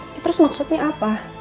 ya terus maksudnya apa